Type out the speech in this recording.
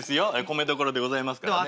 米どころでございますからね。